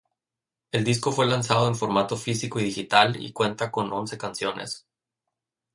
El disco fue lanzado en formato físico y digital y cuenta con once canciones.